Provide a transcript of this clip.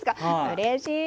うれしい！